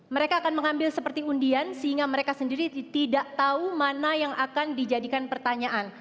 mereka akan mengambil seperti undian sehingga mereka sendiri tidak tahu mana yang akan dijadikan pertanyaan